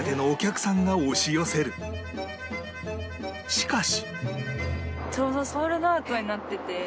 しかし